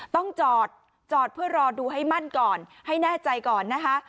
ต้องจอดจอดเพื่อรอดูให้มั่นก่อนให้แน่ใจก่อนนะคะ